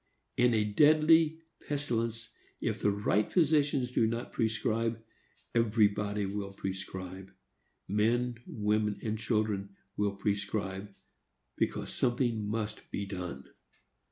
In a deadly pestilence, if the right physicians do not prescribe, everybody will prescribe,—men, women and children, will prescribe,—because something must be done.